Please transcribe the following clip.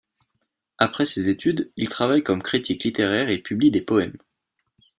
Après ses études, il travaille comme critique littéraire et publie des poèmes.